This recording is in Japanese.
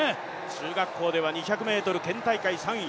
中学校では２００ｍ県大会３位。